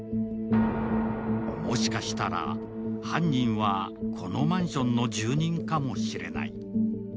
もしかしたら犯人は、このマンションの住人かもしれない。